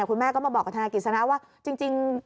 คุณแม่ก็มาบอกเกี่ยวกับทนายกฤษณะ